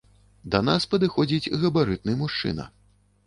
Да нас падыходзіць габарытны мужчына.